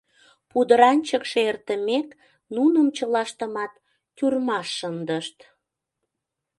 Пудыранчыкше эртымек, нуным чылаштымат тюрьмаш шындышт.